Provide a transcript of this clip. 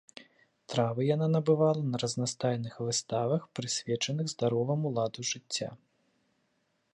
Травы яна набывала на разнастайных выставах, прысвечаных здароваму ладу жыцця.